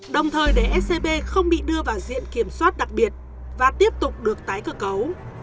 đồng thời để scb không bị đưa vào diện kiểm soát đặc biệt và tiếp tục được tái cơ cấu